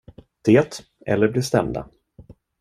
Det eller bli stämda.